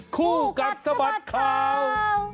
คู่กัดสะบัดข่าว